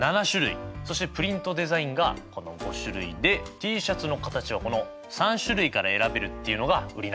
そしてプリントデザインがこの５種類でＴシャツの形はこの３種類から選べるっていうのが売りなんです。